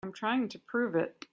I'm trying to prove it.